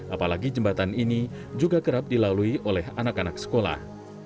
apalagi jembatan ini juga kerap dilalui oleh anak anak sekolah